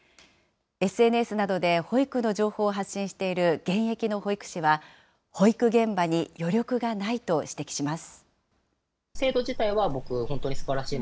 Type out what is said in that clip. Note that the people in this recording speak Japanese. ＳＮＳなどで保育の情報を発信している現役の保育士は、保育現場に余力がないと指摘します。